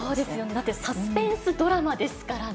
だって、サスペンスドラマですからね。